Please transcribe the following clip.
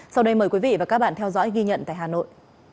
sau đây mời quý vị và các bạn theo dõi ghi nhận tại hà nội